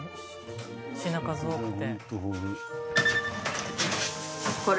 品数多くて。